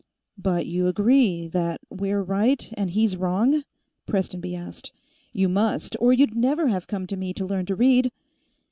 "But you agree that we're right and he's wrong?" Prestonby asked. "You must, or you'd never have come to me to learn to read."